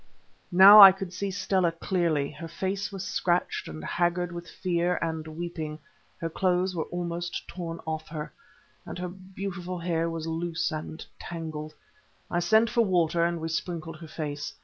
Now I could see Stella clearly. Her face was scratched, and haggard with fear and weeping, her clothes were almost torn off her, and her beautiful hair was loose and tangled. I sent for water, and we sprinkled her face.